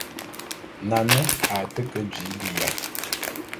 Nane a te ke jii biya.